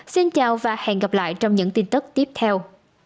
xin chào và hẹn gặp lại trong những tin tức tiếp theo